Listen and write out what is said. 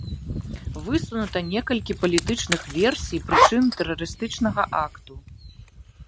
Высунута некалькі палітычных версій прычын тэрарыстычнага акту.